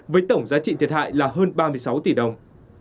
với tổng giá trị thiệt hại là hơn ba mươi sáu tỷ đồng